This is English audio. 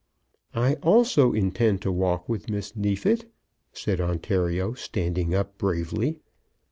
"I also intend to walk with Miss Neefit," said Ontario, standing up bravely.